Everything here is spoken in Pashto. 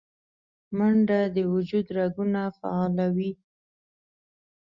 منډه د وجود رګونه فعالوي